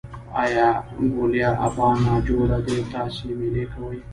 ای ګوليه ابا نا جوړه دی تاسې مېلې کوئ.